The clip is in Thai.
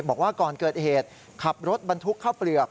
บอกว่าก่อนเกิดเหตุขับรถบรรทุกข้าวเปลือก